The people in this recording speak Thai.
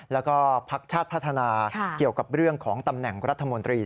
แล้วก็พักชาติพัฒนาเกี่ยวกับเรื่องของตำแหน่งรัฐมนตรี